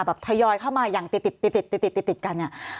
แบบทยอยเข้ามาอย่างติดกัน